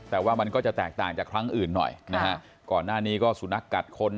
แต่ว่ามันก็จะแตกต่างจากครั้งอื่นหน่อยนะฮะก่อนหน้านี้ก็สุนัขกัดคน